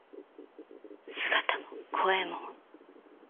姿も声も。